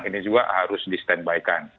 ini juga harus di stand by kan